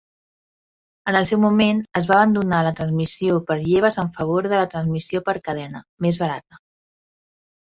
En el seu moment, es va abandonar la transmissió per lleves en favor de la transmissió per cadena, més barata.